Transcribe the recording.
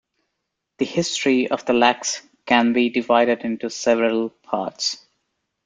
The history of the Laks can be divided into several parts.